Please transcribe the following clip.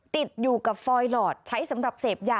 ติดอยู่กับฟอยหลอดใช้สำหรับเสพยา